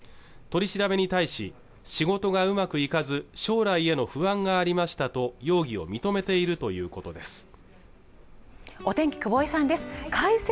取り調べに対し仕事がうまくいかず将来への不安がありましたと容疑を認めているということです